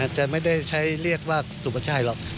จะไม่ได้ใช้เรียกว่าสุประชัยหรอก